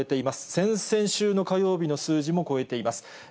先々週の火曜日の数字も超えています。